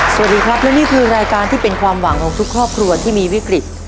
สวัสดีครับและนี่คือรายการที่เป็นความหวังของทุกครอบครัวที่มีวิกฤต